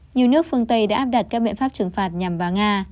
nhiều nước phương tây đã áp đặt các miệng pháp trừng phạt nhằm vào nga